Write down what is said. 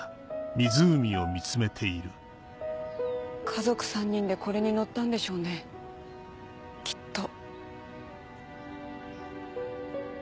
家族３人でこれに乗ったんでしょうねきっと。